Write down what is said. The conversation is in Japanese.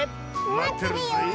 まってるよ！